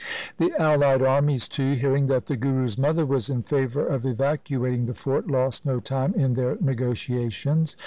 The allied armies too, hearing that the Guru's mother was in favour of evacuating the fort, lost no time in their negotiations.